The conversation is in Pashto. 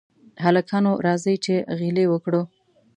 هلکانو! راځئ چې غېلې وکړو.